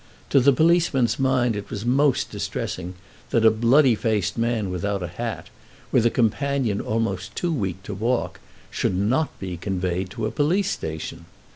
To the policeman's mind it was most distressing that a bloody faced man without a hat, with a companion almost too weak to walk, should not be conveyed to a police station.